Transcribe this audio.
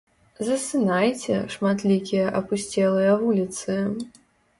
Засынайце, шматлікія апусцелыя вуліцы.